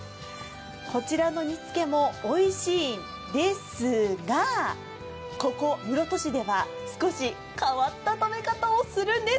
こちらの煮つけもおいしいんですが、ここ室戸市では少し変わった食べ方をするんです。